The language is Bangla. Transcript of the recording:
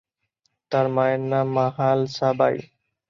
তার মায়ের নাম মাহালসাবাঈ।